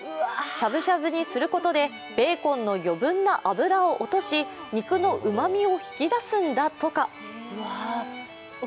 しゃぶしゃぶにすることでベーコンの余分な脂を落とし肉のうまみを引き出すんだとか。